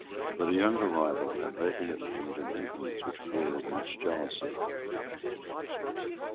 But a younger rival had lately obtained an influence which created much jealousy.